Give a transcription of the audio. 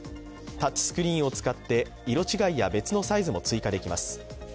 タッチスクリーンを使って色違いや別のサイズも追加できます。